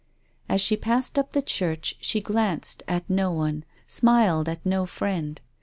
As she passed up the church she glanced at no one, smiled at no friend.